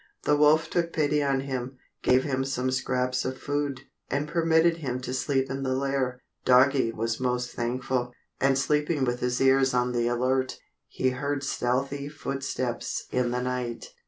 The wolf took pity on him, gave him some scraps of food, and permitted him to sleep in the lair. Doggie was most thankful, and sleeping with his ears on the alert, he heard stealthy footsteps in the night.